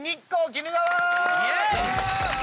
鬼怒川！